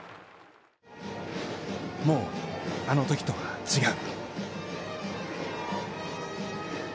もう、あのときとは違う。